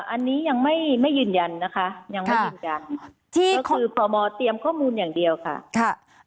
อันนี้ยังไม่ไม่ยืนยันนะคะยังไม่ยืนยันก็คือพมเตรียมข้อมูลอย่างเดียวค่ะ